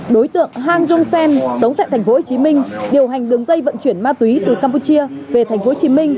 đối tượng hang jong sen sống tại tp hcm điều hành đường dây vận chuyển ma túy từ campuchia về tp hcm